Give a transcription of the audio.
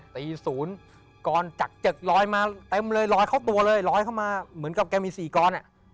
ตีศูนย์ก้อนจักเจกลอยมาเต็มเลยลอยเข้าตัวเลยลอยเข้ามาเหมือนกับแกมีสี่ก้อนเนี่ย